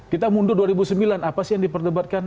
kita mundur dua ribu sembilan apa sih yang diperdebatkan